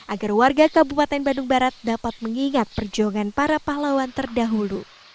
agar warga kabupaten bandung barat dapat mengingat perjuangan para pahlawan terdahulu